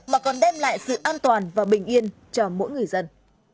mà còn đem lại sự an toàn và bình yên cho mỗi người dân